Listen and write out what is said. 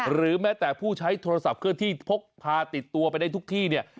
หรือแม้แต่ผู้ใช้โทรศัพท์เคลื่อนที่พกพาติดตัวไปได้ทุกที่เนี่ย